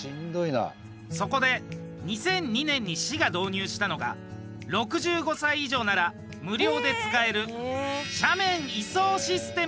そこで２００２年に市が導入したのが６５歳以上なら無料で使える斜面移送システム。